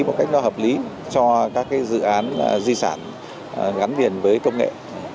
một cách nó hợp lý cho các dự án di sản gắn liền với công nghệ